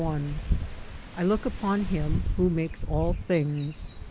XLI I look upon him who makes all things.